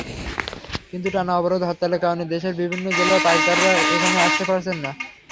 কিন্তু টানা অবরোধ-হরতালের কারণে দেশের বিভিন্ন জেলার পাইকাররা এখানে আসতে পারছেন না।